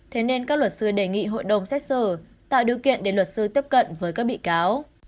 thế nên các luật sư đề nghị hội đồng xét xử tạo điều kiện để luật sư tiếp cận với các bị cáo